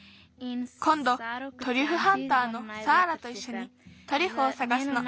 こんどトリュフハンターのサーラといっしょにトリュフをさがすの。